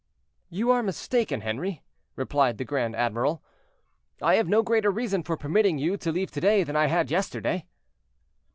"You are mistaken, Henri," replied the grand admiral; "I have no greater reason for permitting you to leave to day than I had yesterday."